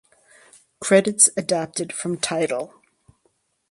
Credits adapted from "Tidal".